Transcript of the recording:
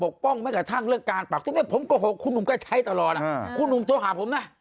เขาก็เชื่อว่าคุศกับนางไม่ถูกกันด้วย